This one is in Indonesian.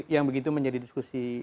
yang begitu menjadi diskusi